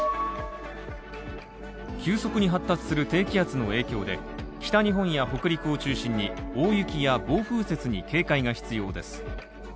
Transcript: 急速に発達する低気圧の影響で、北日本や北陸を中心に大雪や暴風雪に警戒が必要です